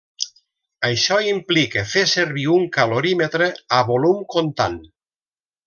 Això implica fer servir un calorímetre a volum contant.